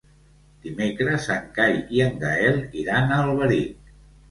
Dimecres en Cai i en Gaël iran a Alberic.